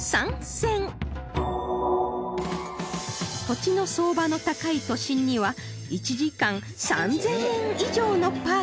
土地の相場の高い都心には１時間３０００円以上のパーキングも